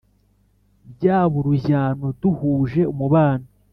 byaba urujyano duhuje umubano